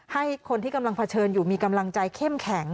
ให้คนที่กำลังเผชิญอยู่มีกำลังใจเข้มแข็ง